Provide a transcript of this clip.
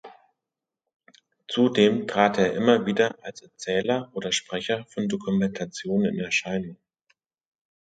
Zudem trat er immer wieder als Erzähler oder Sprecher von Dokumentationen in Erscheinung.